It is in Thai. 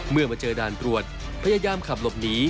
เมื่อมาเจอด่านตรวจพยายามขับหลบหนี